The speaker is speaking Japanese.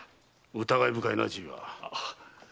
疑い深いなじいは。